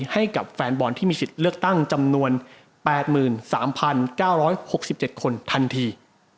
ให้กับแฟนบอลที่มีสิทธิ์เลือกตั้งจำนวน๘๓๙๖๗คนทันที